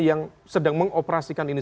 yang sedang mengoperasikan ini